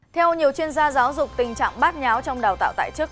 theo nhiều chuyên gia giáo dục tình trạng bát nháo trong đào tạo tại chức